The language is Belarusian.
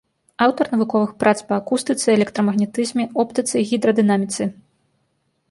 Аўтар навуковых прац па акустыцы, электрамагнетызме, оптыцы і гідрадынаміцы.